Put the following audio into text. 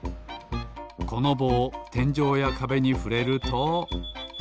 このぼうてんじょうやかべにふれるとピピピピ。